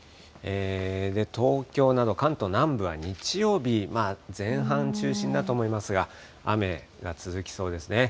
東京など関東南部は日曜日、前半中心だと思いますが、雨が続きそうですね。